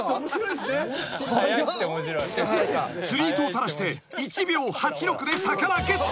［釣り糸を垂らして１秒８６で魚ゲット］